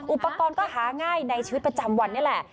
อุปกรณ์ก็หาง่ายในชีวิตประจำวันนี่แหละ